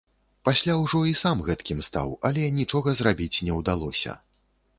Пасля ўжо і сам гэткім стаў, але нічога зрабіць не ўдалося.